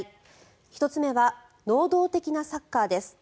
１つ目は能動的なサッカーです。